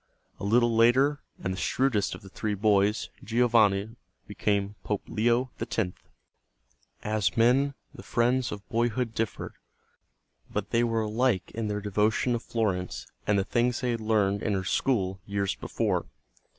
A little later, and the shrewdest of the three boys, Giovanni, became Pope Leo X. As men the friends of boyhood differed, but they were alike in their devotion to Florence and the things they had learned in her school years before.